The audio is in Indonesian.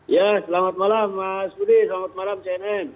ya selamat malam mas budi selamat malam cnn